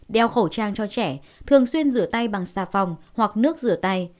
đeo khẩu trang cho trẻ thường xuyên rửa tay bằng xà phòng hoặc nước rửa tay